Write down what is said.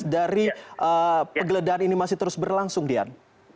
dari penggeledahan ini masih terus berlangsung dian